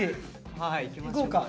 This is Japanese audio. はいいきましょうか。